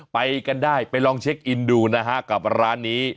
ไปกันได้ไปลองเช็คอินดูนะฮะกับร้านนี้